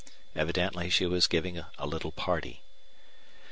Evidently she was giving a little party.